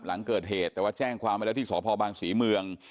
หลังเกิดเหตุแต่ว่าแจ้งความไว้แล้วที่สพบางศรีเมือง